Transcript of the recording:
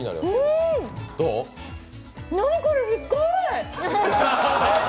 うーん、何これ、すっごい。